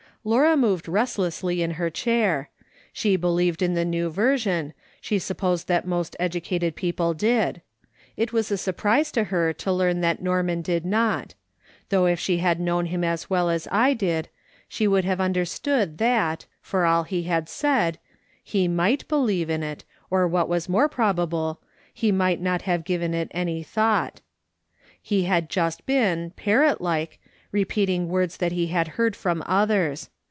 Laura moved restlessly in her chair. She believed in the New Version, she supposed that most educated people did. It was a surprise to her to learn that Norman did not ; though if she had known him as well as I did she would have understood that, for all he had said, he might believe in it, or M'hat was more probable, he might not have given it any thought. He liad just been, parrot like, repeating words that he had heard from others.